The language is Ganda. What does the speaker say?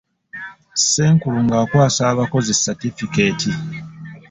Ssenkulu ng'akwasa abakozi satifikeeti.